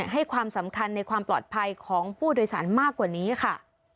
ให้ความสำคัญในความปลอดภัยของผู้โดยสารมากกว่านี้ค่ะ